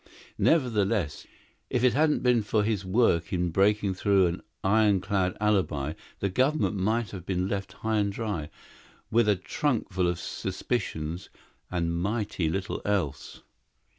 Nevertheless, if it hadn't been for his work in breaking through an ironclad alibi the government might have been left high and dry, with a trunkful of suspicions and mighty little else.